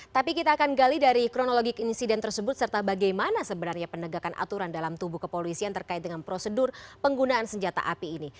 tapi kita akan gali dari kronologi insiden tersebut serta bagaimana sebenarnya penegakan aturan dalam tubuh kepolisian terkait dengan prosedur penggunaan senjata api ini